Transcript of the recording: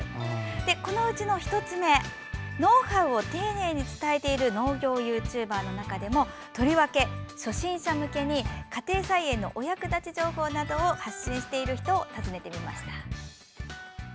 このうちの１つ目ノウハウを丁寧に教える農業ユーチューバーの中でもとりわけ初心者向けに家庭菜園のお役立ち情報などを発信している人を訪ねました。